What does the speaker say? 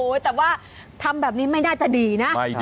แต่ว่าทำแบบนี้ไม่น่าจะดีนะ